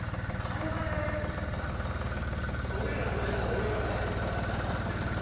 俺らからしたらね。